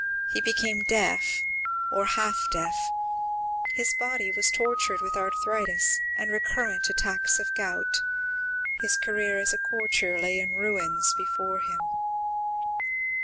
He became deaf, or half deaf. His body was tortured with arthritis and recurrent attacks of gout. His career as a courtier lay in ruins before him.